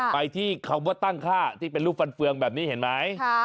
ไปที่คำว่าตั้งค่าที่เป็นรูปฟันเฟืองแบบนี้เห็นไหม